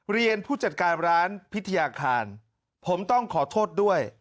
ผู้จัดการร้านพิทยาคารผมต้องขอโทษด้วย